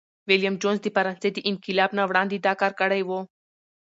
ویلیم جونز د فرانسې د انقلاب نه وړاندي دا کار کړی و.